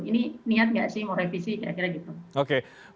ini niat gak sih mau revisi